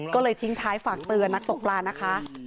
ก็เลยทิ้งท้ายฝากเตือนนักตกปลานะคะ